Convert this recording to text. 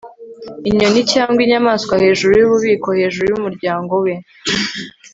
inyoni cyangwa inyamaswa hejuru yububiko hejuru yumuryango we